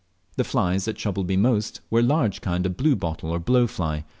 The flies that troubled me most were a large kind of blue bottle or blow fly.